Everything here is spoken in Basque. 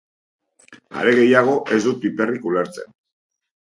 Are gehiago, ez dut piperrik ulertzen.